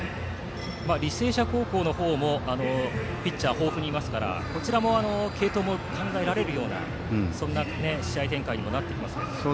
履正社高校の方もピッチャーは豊富にいますからこちらも継投も考えられるような試合展開になりますが。